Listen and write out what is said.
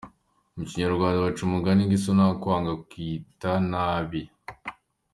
Mu Kinyarwanda baca umugani ngo “iso ntakwanga akwita nabi”.